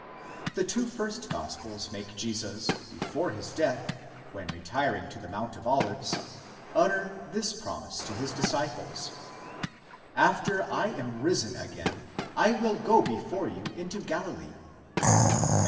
The two first gospels make Jesus, before his death, when retiring to the Mount of Olives, utter this promise to his disciples: After Jam risen again I will go before you into Galilee (Matt.